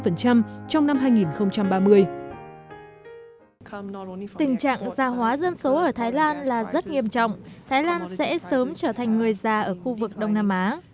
tình trạng gia hóa dân số ở thái lan là rất nghiêm trọng thái lan sẽ sớm trở thành người già ở khu vực đông nam á